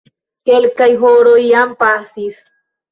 Kelkaj horoj jam pasis.